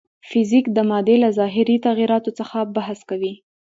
فزیک د مادې له ظاهري تغیراتو څخه بحث کوي.